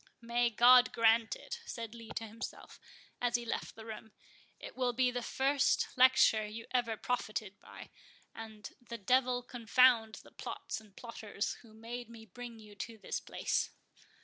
"May God grant it!" said Lee to himself, as he left the room—"it will be the first lecture you ever profited by; and the devil confound the plots and plotters who made me bring you to this place!"